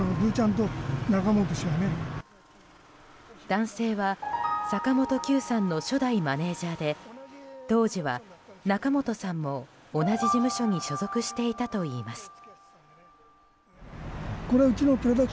男性は坂本九さんの初代マネジャーで当時は仲本さんも同じ事務所に所属していたといいます。